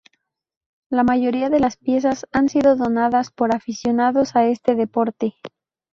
La mayoría de las piezas han sido donadas por aficionados a este deporte.